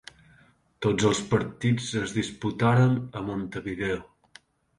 Tots els partits es disputaren a Montevideo.